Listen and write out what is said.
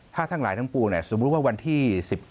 ถ้าทั้งหลายทั้งปุกนะสมมติว่าวันที่